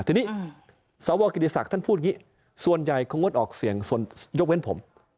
ทีนี้สวกิติศักดิ์ท่านพูดอย่างนี้ส่วนใหญ่คงงดออกเสียงส่วนยกเว้นผม